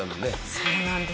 そうなんです。